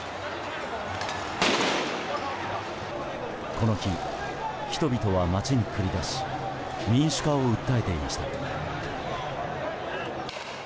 この日、人々は街に繰り出し民主化を訴えていました。